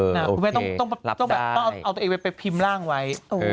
คุณแม่ต้องเอาตัวเองไปพิมพ์ร่างไว้